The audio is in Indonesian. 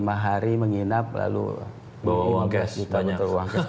mencari menginap lalu lima belas juta bentar uang gas